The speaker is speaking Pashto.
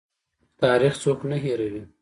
تاریخ څوک نه هیروي؟